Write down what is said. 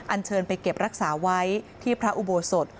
อันเชิญไปเก็บรักษาไว้ที่พระอุโบสถ